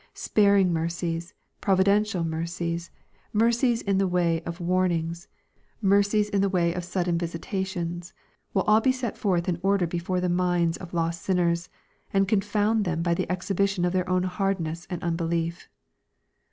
Sparing mercies, providential mercies, mercies in the way of warn ings, mercies in the way of sudden visitations, will all be set forth in order before the minds of lost sinners, and confound them by the exhibition of their own hardness and unbelief.